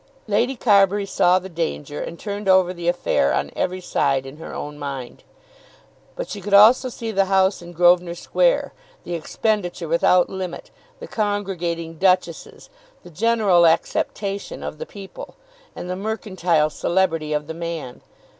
Lady Carbury saw the danger, and turned over the affair on every side in her own mind. But she could also see the house in Grosvenor Square, the expenditure without limit, the congregating duchesses, the general acceptation of the people, and the mercantile celebrity of the man.